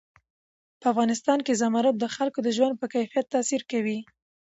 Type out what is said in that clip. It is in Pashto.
په افغانستان کې زمرد د خلکو د ژوند په کیفیت تاثیر کوي.